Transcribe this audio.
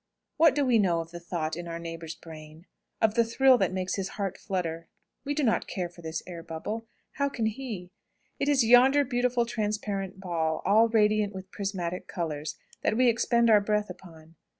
What do we know of the thought in our neighbour's brain? of the thrill that makes his heart flutter? We do not care for this air bubble. How can he? It is yonder beautiful transparent ball, all radiant with prismatic colours, that we expend our breath upon.